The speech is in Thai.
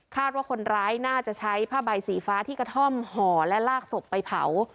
ว่าคนร้ายน่าจะใช้ผ้าใบสีฟ้าที่กระท่อมห่อและลากศพไปเผา